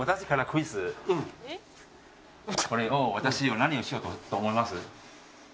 これを私は何をしようと思います？